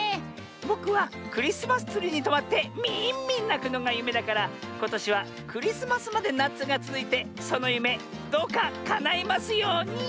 ぼくはクリスマスツリーにとまってミーンミンなくのがゆめだからことしはクリスマスまでなつがつづいてそのゆめどうかかないますように！